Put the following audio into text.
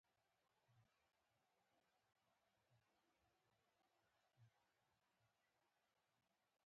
_ياره عبدالرحيمه ، نر کار دې کړی، زمری يې، زمری.